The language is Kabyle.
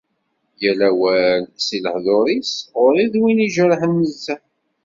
Yal awal seg lehdur-is, ɣur-i d win ijerrḥen nezzeh.